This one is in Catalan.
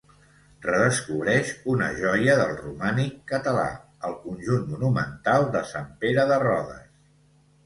Redescobreix una joia del Romànic català: el conjunt monumental de Sant Pere de Rodes.